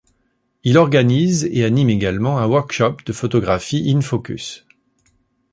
Il organise et anime également un workshop de photographie In Focus.